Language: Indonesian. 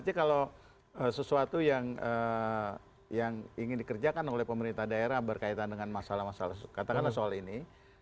jadi kalau sesuatu yang ingin dikerjakan oleh pemerintah daerah berkaitan dengan masalah masalah katakanlah soal ini